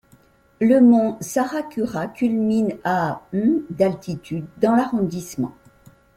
Le mont Sarakura culmine à d'altitude dans l'arrondissement.